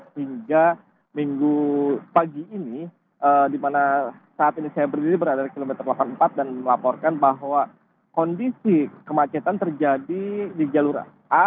hingga minggu pagi ini di mana saat ini saya berdiri berada di kilometer delapan puluh empat dan melaporkan bahwa kondisi kemacetan terjadi di jalur a